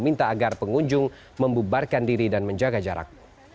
meminta agar pengunjung membubarkan diri dan menjaga jarak